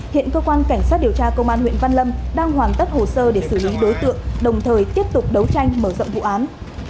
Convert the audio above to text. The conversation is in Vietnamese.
hiện cơ quan cảnh sát điều tra công an huyện văn lâm đang hoàn tất hồ sơ để xử lý đối tượng đồng thời tiếp tục đấu tranh mở rộng vụ án